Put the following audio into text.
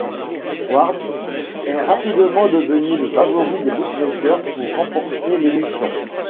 Ward est rapidement devenu le favori des bookmakers pour remporter l'émission.